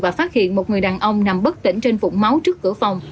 và phát hiện một người đàn ông nằm bất tỉnh trên vùng máu trước cửa phòng